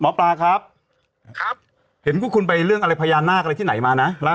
หมอปลาครับครับเห็นคุณไปเรื่องอะไรพญานาคอะไรที่ไหนมานะ